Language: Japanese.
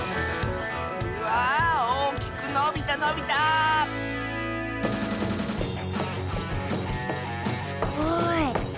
わあおおきくのびたのびたすごい。